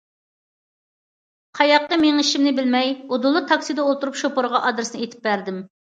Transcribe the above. قاياققا مېڭىشىمنى بىلمەي ئۇدۇللا تاكسىدا ئولتۇرۇپ شوپۇرغا ئادرېسنى ئېيتىپ بەردىم.